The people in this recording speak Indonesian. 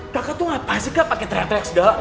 kakak tuh ngapain sih kak pake teriak teriak segala